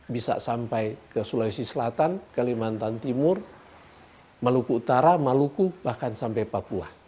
bisa sampai ke sulawesi selatan kalimantan timur maluku utara maluku bahkan sampai papua